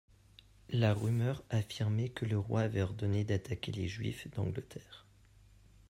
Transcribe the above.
La rumeur affirmait que le roi avait ordonné d'attaquer les juifs d'Angleterre.